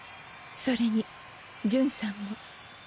それに潤さんも。